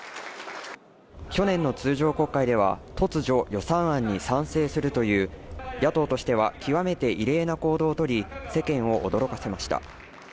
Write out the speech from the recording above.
去年の通常国会では、突如、予算案に賛成するという野党としては極めて異例な行動をとり世間を驚かせました。